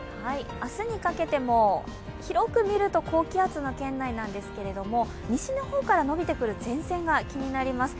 明日にかけても広く見ると、高気圧の圏内なんですけど西の方から伸びてくる前線が気になります。